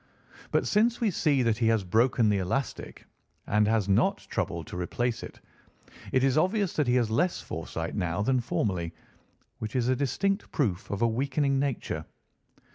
But since we see that he has broken the elastic and has not troubled to replace it, it is obvious that he has less foresight now than formerly, which is a distinct proof of a weakening nature.